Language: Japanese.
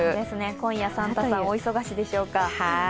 今夜、サンタさん大忙しでしょうか。